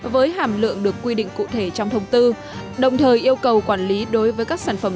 với hàm lượng được quy định cụ thể trong thông tư đồng thời yêu cầu quản lý đối với các sản phẩm